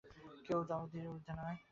কেউ জবাবদিহির ঊর্ধ্বে নন।